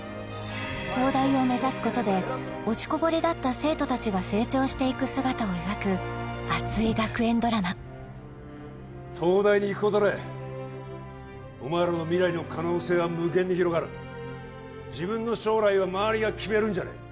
東大を目指すことで落ちこぼれだった生徒たちが成長していく姿を描く熱い学園ドラマ東大に行くことでお前らの未来の可能性は無限に広がる自分の将来は周りが決めるんじゃねえ